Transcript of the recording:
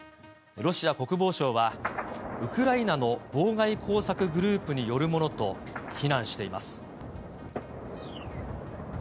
ロシア国防省は、ウクライナの妨害工作グループによるものと非難しています。